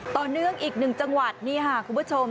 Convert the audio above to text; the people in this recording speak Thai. ต่อเนื่องอีกหนึ่งจังหวัดนี่ค่ะคุณผู้ชม